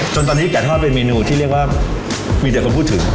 จนตอนนี้ไก่ทอดเป็นเมนูที่เรียกว่ามีแต่คนพูดถึง